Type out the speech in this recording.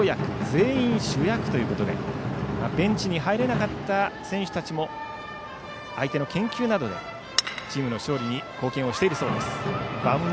・全員主役ということでベンチに入れなかった選手たちも相手の研究などでチームの勝利に貢献しているそうです。